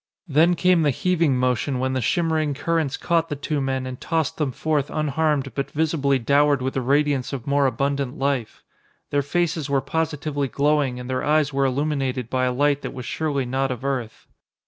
Then came the heaving motion when the shimmering currents caught the two men and tossed them forth unharmed but visibly dowered with the radiance of more abundant life. Their faces were positively glowing and their eyes were illuminated by a light that was surely not of earth.